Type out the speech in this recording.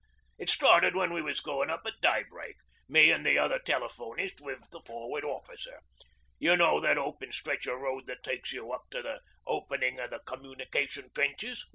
It started when we was goin' up at daybreak me an' the other telephonist wi' the Forward Officer. You know that open stretch of road that takes you up to the openin' o' the communication trenches?